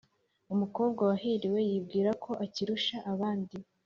Umukobwa wahiriwe yibwira ko akirusha abandi.